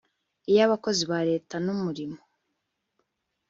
iy'abakozi ba leta n'umurimo